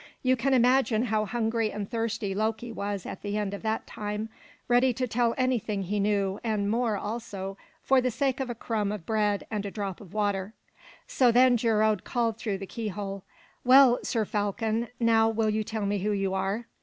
You can imagine how hungry and thirsty Loki was at the end of that time, ready to tell anything he knew, and more also, for the sake of a crumb of bread and a drop of water. So then Geirröd called through the keyhole, "Well, Sir Falcon, now will you tell me who you are?"